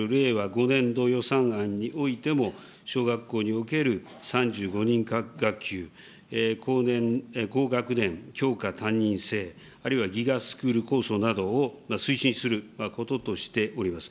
５年度予算案においても、小学校における３５人学級、高学年教科担任制、あるいはＧＩＧＡスクール構想などを推進することとしております。